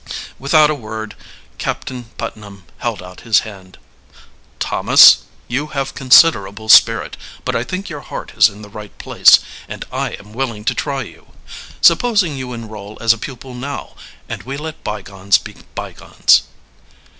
Without a word Captain Putnam held out his hand. "Thomas, you have considerable spirit, but I think your heart is in the right place, and I am willing to try you. Supposing you enroll as a pupil now, and we let bygones be bygones?"